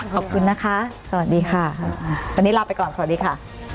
ขอบคุณนะคะสวัสดีค่ะวันนี้ลาไปก่อนสวัสดีค่ะ